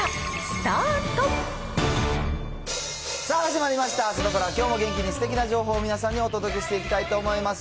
さあ、始まりましたサタプラ、きょうも元気にすてきな情報を皆さんにお届けしていきたいと思います。